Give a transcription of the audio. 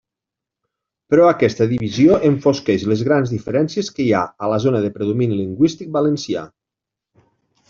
Però aquesta divisió enfosqueix les grans diferències que hi ha a la zona de predomini lingüístic valencià.